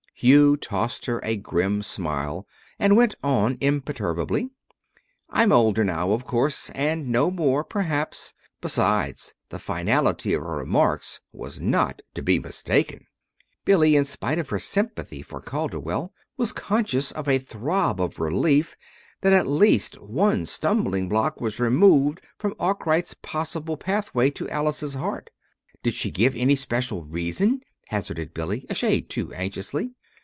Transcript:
_" Hugh tossed her a grim smile and went on imperturbably. "I'm older now, of course, and know more, perhaps. Besides, the finality of her remarks was not to be mistaken." Billy, in spite of her sympathy for Calderwell, was conscious of a throb of relief that at least one stumbling block was removed from Arkwright's possible pathway to Alice's heart. "Did she give any special reason?" hazarded Billy, a shade too anxiously.